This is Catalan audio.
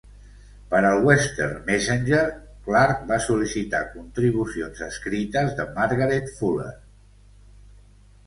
Per al "Western Messenger", Clarke va sol·licitar contribucions escrites de Margaret Fuller.